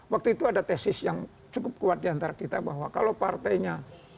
waktu itu ada tesis yang cukup kuat diantara kita bahwa kalau partainya